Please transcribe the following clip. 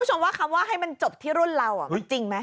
คุณผู้ชมว่าคำว่าให้มันจบที่รุ่นเรามันจริงไหม